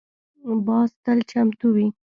باز تل چمتو وي